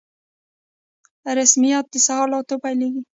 رسميات د سهار له اتو پیلیږي